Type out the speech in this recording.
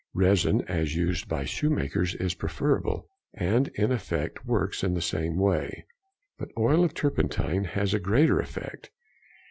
Resin as used by shoemakers is preferable, and in effect works in the same way; but oil of turpentine has a greater effect.